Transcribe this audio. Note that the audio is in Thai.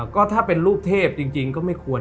ก็ถ้าเป็นลูกเทพจริงก็ไม่ควร